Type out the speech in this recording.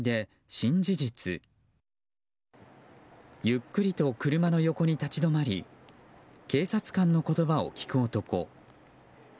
ゆっくりと車の横に立ち止まり警察官の言葉を聞く男。